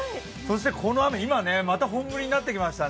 この雨、今また本降りになってきました。